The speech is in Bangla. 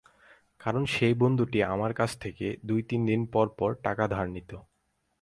কারণ, সেই বন্ধুটি আমার কাছ থেকে দু-তিন দিন পরপর টাকা ধার নিত।